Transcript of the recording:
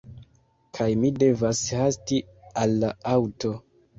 Kaj mi devas hasti al la aŭto